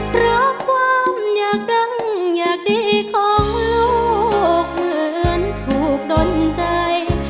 เพราะความอยากดังอยากดีของลูกเหมือนถูกดนใจ